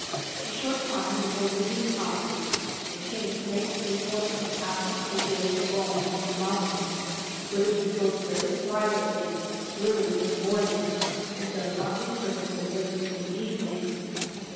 A short time before leaving Tashees, the king makes a point of passing a day alone on the mountain, whither he goes very privately early in the morning, and does not return till late in the evening.